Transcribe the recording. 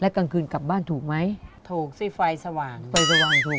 กลางคืนกลับบ้านถูกไหมถูกสิไฟสว่างไฟสว่างถูก